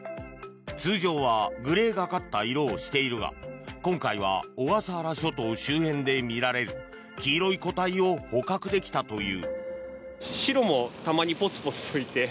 通常はグレーがかった色をしているが今回は小笠原諸島周辺でみられる黄色い個体を捕獲できたという。